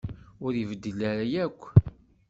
Ur ibeddel ara akk.